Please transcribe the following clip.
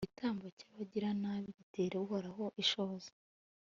igitambo cy'abagiranabi gitera uhoraho ishozi